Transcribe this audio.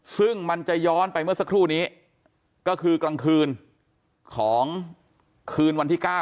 ซึ่งมันจะย้อนไปเมื่อสักครู่นี้ก็คือกลางคืนของคืนวันที่๙